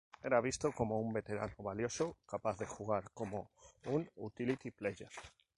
Era visto como un veterano valioso, capaz de jugar como un utility player.